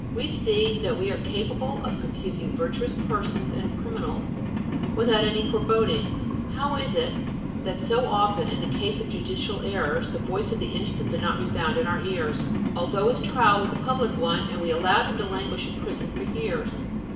We see that we are capable of confusing virtuous persons and criminals, without any foreboding. How is it that so often in the case of judicial errors, the voice of the innocent did not resound in our ears, although his trial was a public one, and we allowed him to languish in prison for years?